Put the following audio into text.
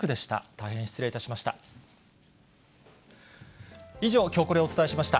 大変失礼いたしました。